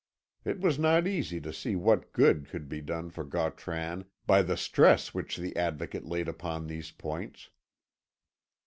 It was not easy to see what good could be done for Gautran by the stress which the Advocate laid upon these points.